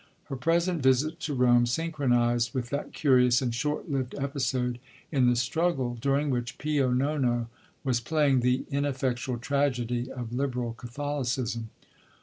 Her present visit to Rome synchronized with that curious and short lived episode in the struggle during which Pio Nono was playing "the ineffectual tragedy of Liberal Catholicism."